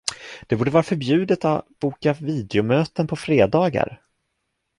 Det borde vara förbjudet att boka videomöten på fredagar.